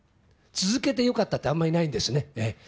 続けて良かったってあまりないんですよね。